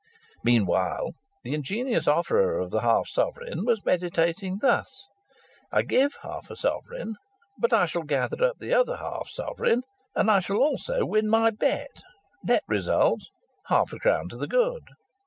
Meanwhile the ingenious offerer of the half sovereign was meditating thus: "I give half a sovereign, but I shall gather up the other half sovereign, and I shall also win my bet. Net result: Half a crown to the good."